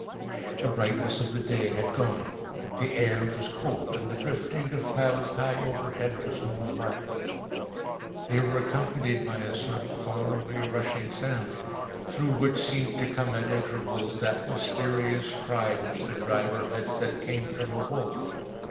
The brightness of the day had gone. The air was cold, and the drifting of clouds high overhead was more marked. They were accompanied by a sort of far away rushing sound, through which seemed to come at intervals that mysterious cry which the driver had said came from a wolf.